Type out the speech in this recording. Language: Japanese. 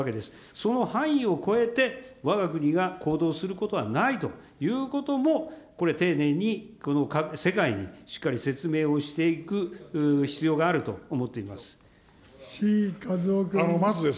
その範囲を超えて、わが国が行動することはないということも、これ、丁寧に世界にしっかり説明をしていく必要があると思っています。